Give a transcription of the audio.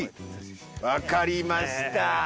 分かりました。